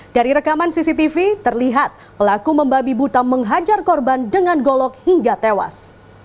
dari rekaman cctv terlihat pelaku membabi buta menghajar korban dengan golok hingga tewas